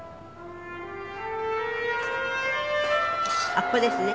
あっここですね。